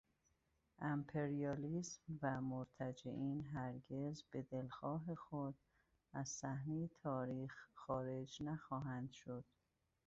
امپریالیسم و مرتجعین هرگز بدلخواه خود از صحنهٔ تاریخ خارج نخواهند شد.